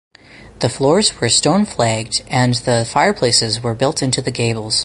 The floors were stone flagged and the fireplaces were built into the gables.